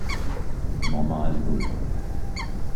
Normal Null